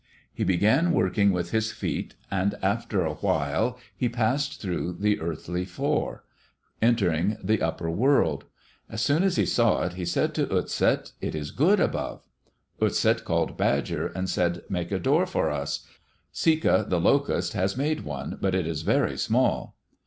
He began working with his feet and after a while he passed through the earthy floor, entering the upper world. As soon as he saw it, he said to Utset, "It is good above." Utset called Badger, and said, "Make a door for us. Sika, the Locust has made one, but it is very small."